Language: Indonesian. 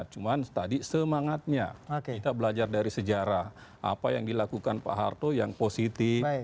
cuma tadi semangatnya kita belajar dari sejarah apa yang dilakukan pak harto yang positif